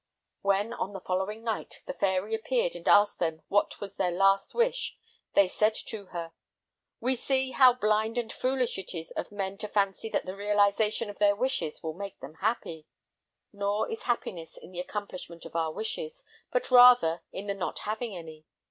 When, on the following night, the fairy appeared and asked them what was their last wish, they said to her: "We see how blind and foolish it is of men to fancy that the realization of their wishes will make them happy." Nor is happiness in the accomplishment of our wishes, but rather in the not having any.